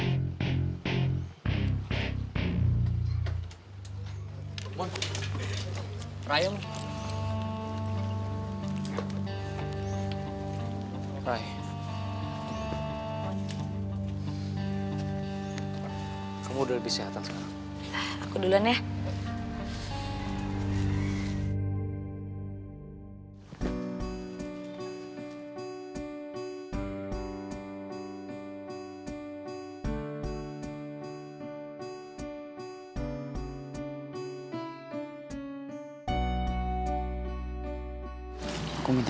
apalagi sampai kamu masuk rumah sakit